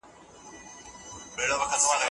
د غږ له ورکېدو سره پیغام هم ورکېږي.